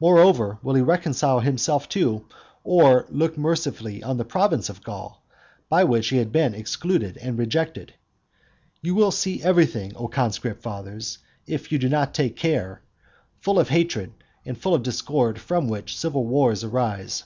Moreover, will he reconcile himself to, or look mercifully on the province of Gaul, by which he has been excluded and rejected? You will see everything, O conscript fathers, if you do not take care, full of hatred and full of discord, from which civil wars arise.